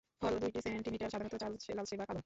ফল দুই সেন্টিমিটার, সাধারণত লালচে বা কালো।